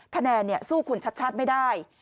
คะแนนสู้คุณชัดไม่ได้